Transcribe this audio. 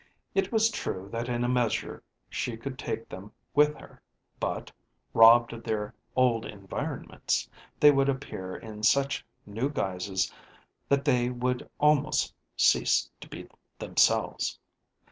It was true that in a measure she could take them with her, but, robbed of their old environments, they would appear in such new guises that they would almost cease to be themselves.